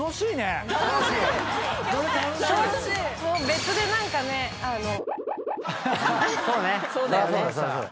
別で何かねあの。